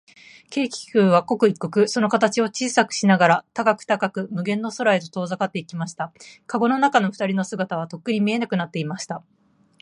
軽気球は、刻一刻、その形を小さくしながら、高く高く、無限の空へと遠ざかっていきました。かごの中のふたりの姿は、とっくに見えなくなっていました。